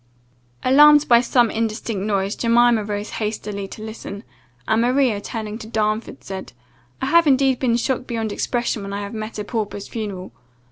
Alarmed by some indistinct noise, Jemima rose hastily to listen, and Maria, turning to Darnford, said, "I have indeed been shocked beyond expression when I have met a pauper's funeral.